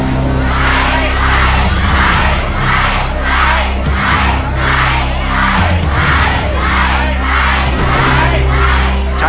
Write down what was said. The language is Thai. ใช้ใช้ใช้ใช้ใช้ใช้ใช้ใช้ใช้ใช้ใช้ใช้